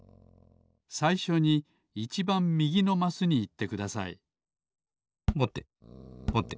さいしょにいちばんみぎのマスにいってくださいぼてぼて。